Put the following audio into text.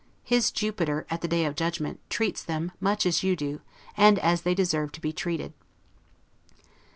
His Jupiter, at the Day of judgment, treats them much as you do, and as they deserve to be treated.